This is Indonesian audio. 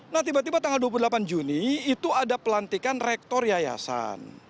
nah tiba tiba tanggal dua puluh delapan juni itu ada pelantikan rektor yayasan